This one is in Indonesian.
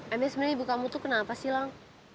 emang sebenernya ibu kamu tuh kenapa sih lang